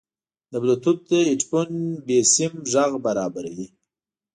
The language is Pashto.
د بلوتوث هیډفون بېسیم غږ برابروي.